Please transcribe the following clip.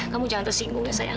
kamu jangan tersinggung sayang